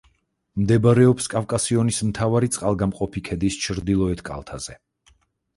მდებარეობს კავკასიონის მთავარი წყალგამყოფი ქედის ჩრდილოეთ კალთაზე.